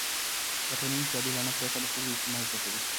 په ټولنه کي عادلانه پریکړه د خلکو اعتماد زياتوي.